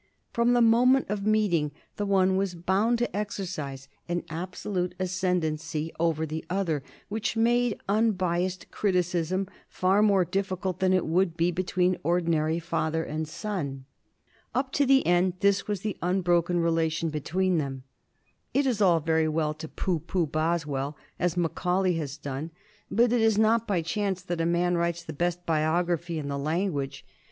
From the moment of meeting the one was bound to exercise an absolute ascendency over the other which made unbiassed criticism far more difficult than it would be between ordinary father and son. Up to the end this was the unbroken relation between them. It is all very well to pooh pooh Boswell as Macaulay has done, but it is not by chance that a man writes the best biography in the language.